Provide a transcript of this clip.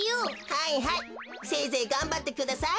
はいはいせいぜいがんばってください。